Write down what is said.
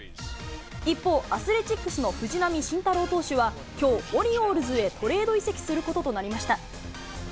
一方、アスレチックスの藤浪晋太郎投手はきょう、オリオールズへトレード移籍することとなりました。